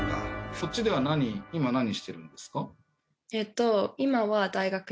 そっちでは今何してるんですか？